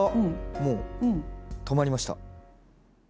もう止まりました。